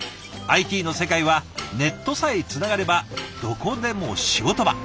ＩＴの世界はネットさえつながればどこでも仕事場。